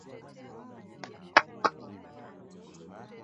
Subiri nitafika Ijumaa